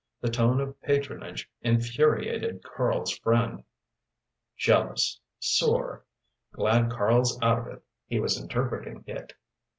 The tone of patronage infuriated Karl's friend. "Jealous sore glad Karl's out of it," he was interpreting it.